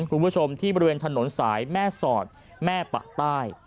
คุณผู้ชมที่บริเวณถนนสายแม่สอดแม่ปะใต้